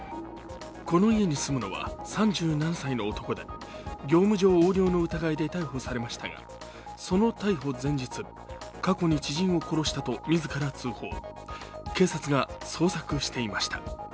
この家に住むのは３７歳の男で業務上横領の疑いで逮捕されましたが、その逮捕前日、過去に知人を殺したと自ら通報、警察が捜索していました。